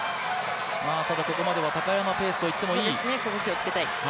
ただここまでは高山ペースと言ってもいい。